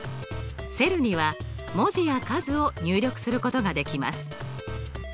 セルには文字や数を入力することができます。